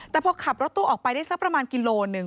แต่พอขับรถตู้ออกไปได้สักประมาณกิโลหนึ่ง